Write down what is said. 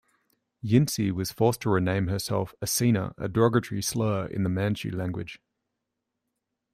Yinsi was forced to rename himself "Acina", a derogatory slur in the Manchu language.